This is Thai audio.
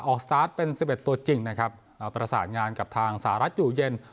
สตาร์ทเป็น๑๑ตัวจริงนะครับเราประสานงานกับทางสหรัฐอยู่เย็น